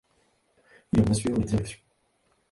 Il en assure la direction.